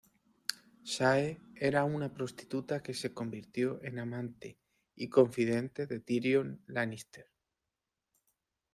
Shae era una prostituta que se convirtió en amante y confidente de Tyrion Lannister.